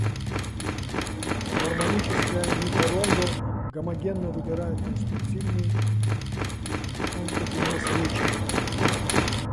Гармоническое микророндо гомогенно выбирает конструктивный онтогенез речи.